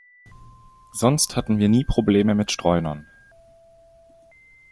Sonst hatten wir nie Probleme mit Streunern.